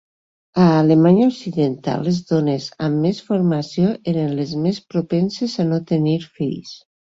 A Alemanya Occidental les dones amb més formació eren les més propenses a no tenir fills.